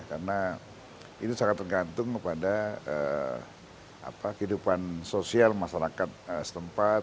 karena itu sangat tergantung kepada kehidupan sosial masyarakat setempat